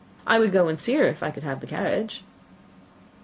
I would go and see her if I could have the carriage."